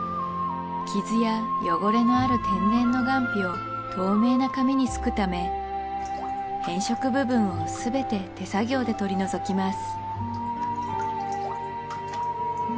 傷や汚れのある天然の雁皮を透明な紙にすくため変色部分を全て手作業で取り除きます